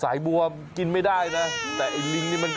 บัวกินไม่ได้นะแต่ไอ้ลิงนี่มันก็